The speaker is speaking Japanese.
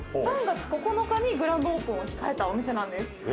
３月９日にグランドオープンを控えたお店なんです。